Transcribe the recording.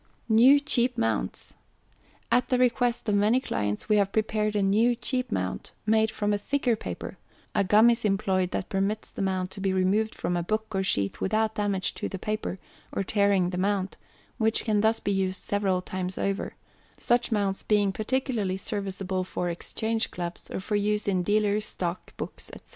No. 6.] NEW CHEAP MOUNTS. At the request of many clients we have prepared a New Cheap Mount, made from a thicker paper; a gum is employed that permits the Mount to be removed from a book or sheet without damage to the paper, or tearing the Mount, which can thus be used several times over, such Mounts being particularly serviceable for exchange clubs, or for use in dealers' stock books, &c.